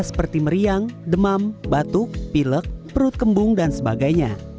seperti meriang demam batuk pilek perut kembung dan sebagainya